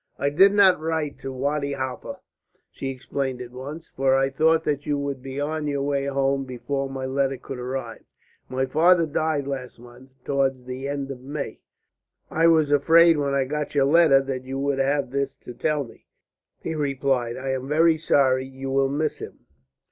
"I did not write to Wadi Halfa," she explained at once, "for I thought that you would be on your way home before my letter could arrive. My father died last month, towards the end of May." "I was afraid when I got your letter that you would have this to tell me," he replied. "I am very sorry. You will miss him."